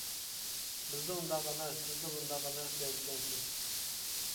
بىزدە ئۇنداق ئەمەس، بىزدە بۇنداق ئەمەس دەيدىكەنسىز.